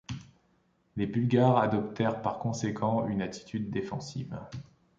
Les Bulgares adoptèrent par conséquent une attitude défensive.